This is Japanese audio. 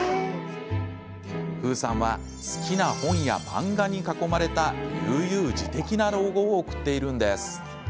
楓さんは好きな本や漫画に囲まれた悠々自適な老後を送っているんです。